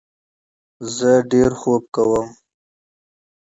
زه کافي خوب کوم.